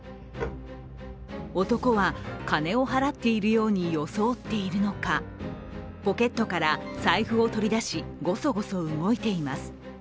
男は金を払っているように装っているのかポケットから財布を取り出しごそごそ動いています。